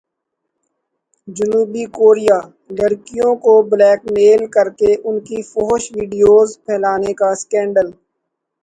جنوبی کوریا لڑکیوں کو بلیک میل کرکے ان کی فحش ویڈیوز پھیلانے کا اسکینڈل